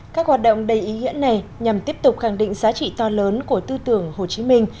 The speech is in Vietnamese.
các hoạt động đầy ý nghĩa này nhằm tiếp tục khẳng định giá trị to lớn của tư tưởng hồ chí minh